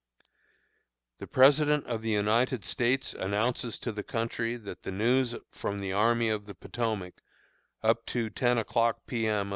The President of the United States announces to the country, that the news from the Army of the Potomac, up to ten o'clock P. M.